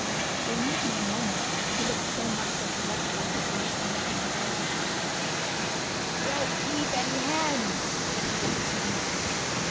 They knew him in a moment, he looked so much like his effigies that they used to make in their yards. "We don't keep any hens." repeated the Snow Man.